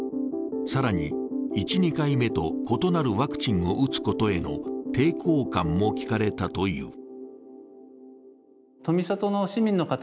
更に、１・２回目と異なるワクチンを打つことへの抵抗感も聞かれたという。